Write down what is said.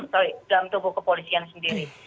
dalam tubuh kepolisian sendiri